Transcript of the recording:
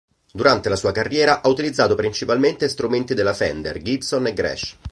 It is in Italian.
Durante la sua carriera, ha utilizzato principalmente strumenti della Fender, Gibson e Gretsch.